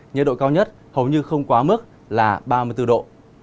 nhiệt độ cao nhất hầu như không quá mức là ba mươi bốn độ